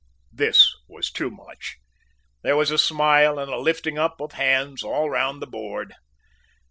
This was too much. There was a smile and a lifting up of hands all round the board.